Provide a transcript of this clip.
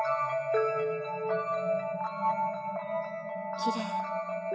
きれい。